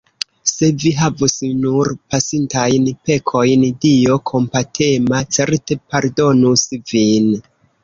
Se vi havus nur pasintajn pekojn, Dio kompatema certe pardonus vin!